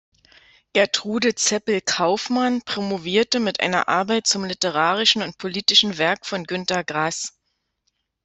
Gertrude Cepl-Kaufmann promovierte mit einer Arbeit zum literarischen und politischen Werk von Günter Grass.